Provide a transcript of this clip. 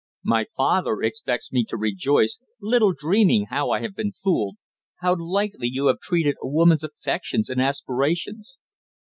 My father expects me to rejoice, little dreaming how I have been fooled; how lightly you have treated a woman's affections and aspirations.